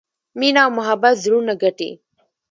مینه او محبت زړونه ګټي.